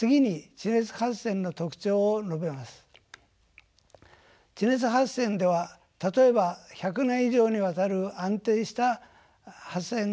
地熱発電では例えば１００年以上にわたる安定した発電が可能です。